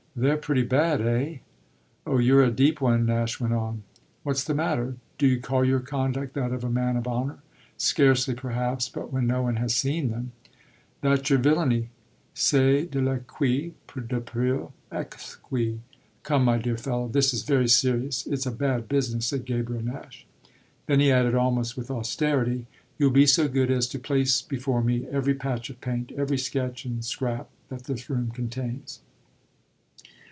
"They're pretty bad, eh?" "Oh you're a deep one," Nash went on. "What's the matter?" "Do you call your conduct that of a man of honour?" "Scarcely perhaps. But when no one has seen them !" "That's your villainy. C'est de l'exquis, du pur exquis. Come, my dear fellow, this is very serious it's a bad business," said Gabriel Nash. Then he added almost with austerity: "You'll be so good as to place before me every patch of paint, every sketch and scrap, that this room contains."